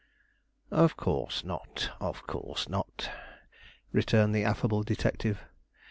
"Of course not, of course not," returned the affable detective.